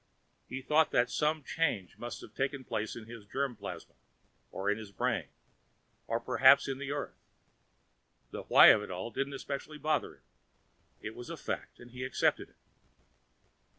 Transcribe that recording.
He thought that some change must have taken place in his germ plasm, or in his brain, or perhaps in the Earth. The "why" of it all didn't especially bother him. It was a fact and he accepted it.